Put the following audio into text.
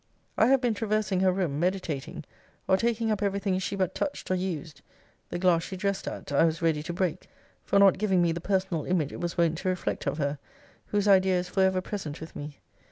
I have been traversing her room, meditating, or taking up every thing she but touched or used: the glass she dressed at, I was ready to break, for not giving me the personal image it was wont to reflect of her, whose idea is for ever present with me.